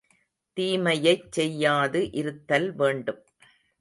தீமையைச் செய்யாது இருத்தல் வேண்டும்.